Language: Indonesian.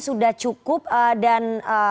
sudah cukup dan